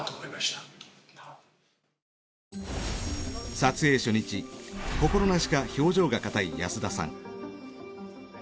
撮影初日心なしか表情が硬い安田さん。